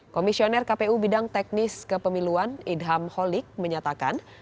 komisioner kpu bidang teknis kepemiluan idham holik menyatakan